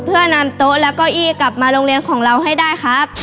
เพื่อนำโต๊ะและเก้าอี้กลับมาโรงเรียนของเราให้ได้ครับ